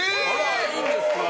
いいんですか？